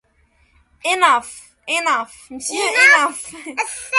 Frye Island is to the south in Sebago Lake.